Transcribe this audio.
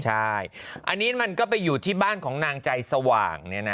ใช่อันนี้มันก็ไปอยู่ที่บ้านของนางใจสว่าง